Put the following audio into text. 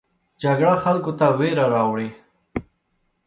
جګړه خلکو ته ویره راوړي